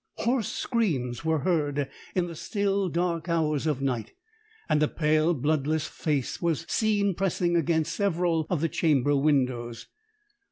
Hoarse screams were heard in the still dark hours of night, and a pale bloodless face was seen pressing against several of the chamber windows.